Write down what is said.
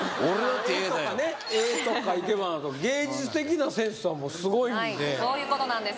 絵とか生け花とか芸術的なセンスはすごいんでそういうことなんです